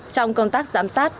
trong công tác giám sát